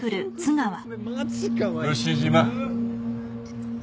牛島。